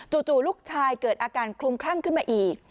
ลูกชายเกิดอาการคลุมคลั่งขึ้นมาอีก